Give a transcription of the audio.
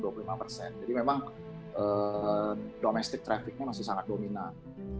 jadi memang domestic traffic nya masih sangat dominan